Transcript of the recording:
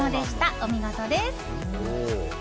お見事です。